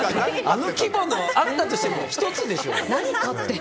あの規模のあったとしても１つでしょ。